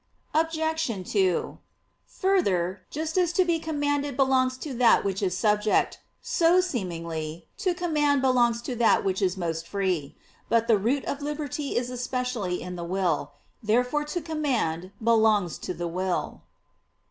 Obj. 2: Further, just as to be commanded belongs to that which is subject, so, seemingly, to command belongs to that which is most free. But the root of liberty is especially in the will. Therefore to command belongs to the will.